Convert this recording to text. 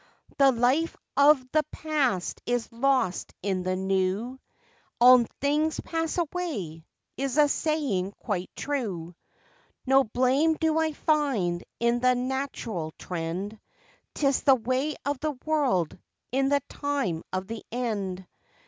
"The life of the past is lost in the new, 'All things pass away' is a saying quite true, No blame do I find in the natural trend, Tis the way of the world in the time of the end."